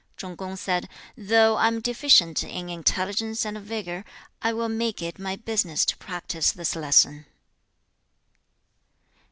Chung kung said, 'Though I am deficient in intelligence and vigour, I will make it my business to practise this lesson.'